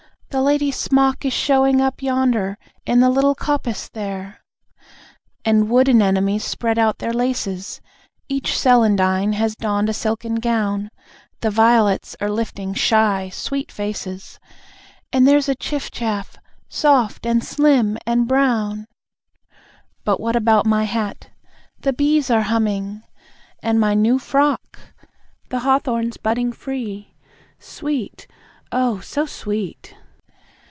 (The Lady's Smock is showing Up yonder, in the little coppice there.) And wood anemones spread out their laces; Each celandine has donned a silken gown; The violets are lifting shy sweet faces. (And there's a chiff chaff, soft, and slim, and brown.) But what about my hat? (The bees are humming.) And my new frock? (The hawthorn's budding free! Sweet! Oh, so sweet!)